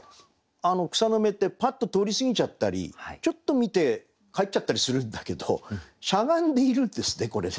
草の芽ってパッと通り過ぎちゃったりちょっと見て帰っちゃったりするんだけどしゃがんでいるんですねこれね。